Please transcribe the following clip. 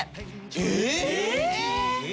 えっ！？